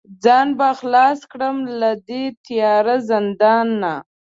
ځان به خلاص کړمه له دې تیاره زندانه